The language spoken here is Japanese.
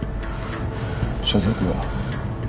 所属は？